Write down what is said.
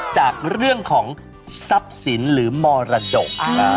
จากเรื่องของทรัพย์สินหรือมรดก